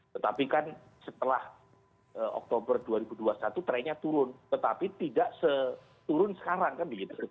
tetapi kan setelah oktober dua ribu dua puluh satu trennya turun tetapi tidak seturun sekarang kan begitu